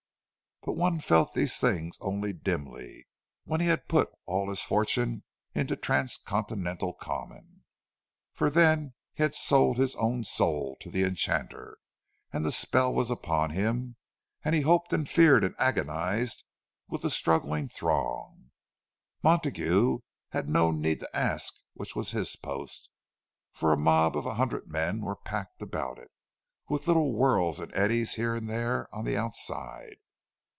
But one felt these things only dimly, when he had put all his fortune into Transcontinental Common. For then he had sold his own soul to the enchanter, and the spell was upon him, and he hoped and feared and agonized with the struggling throng. Montague had no need to ask which was his "post"; for a mob of a hundred men were packed about it, with little whirls and eddies here and there on the outside.